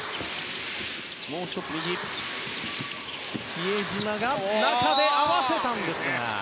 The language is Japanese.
比江島、中で合わせたんですが。